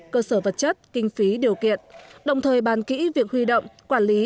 cơ sở vật chất kinh phí điều kiện đồng thời bàn kỹ việc huy động quản lý